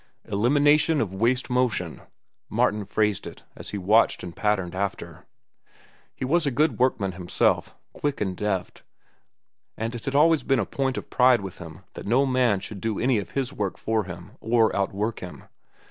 "Elimination of waste motion," Martin phrased it as he watched and patterned after. He was a good workman himself, quick and deft, and it had always been a point of pride with him that no man should do any of his work for him or outwork him.